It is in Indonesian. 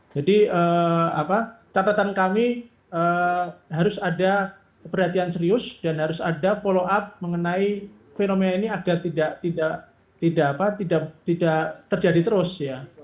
jadi catatan kami harus ada perhatian serius dan harus ada follow up mengenai fenomena ini agar tidak terjadi terus